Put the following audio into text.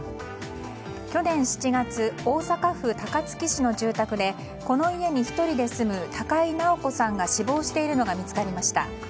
去年７月、大阪府高槻市の住宅でこの家に１人で住む高井直子さんが死亡しているのが見つかりました。